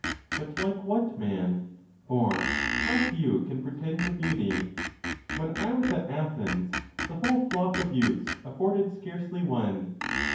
But like what man ? For how few can pretend to beauty ! When I was at Athens, the whole flock of youths afforded scarcely one.